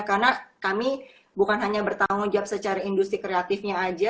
karena kami bukan hanya bertanggung jawab secara industri kreatifnya aja